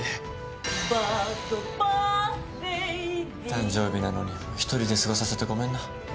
誕生日なのに１人で過ごさせてごめんな。